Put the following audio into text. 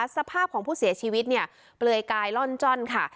สภาพของผู้เสียชีวิตเนี่ยเปลือยกายล่อนจ้อนค่ะ